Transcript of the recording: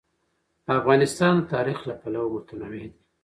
افغانستان د تاریخ له پلوه متنوع دی.